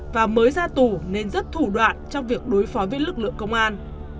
và mới ra tù nên rất thủ đoạn trong việc đối phó với lực lượng công an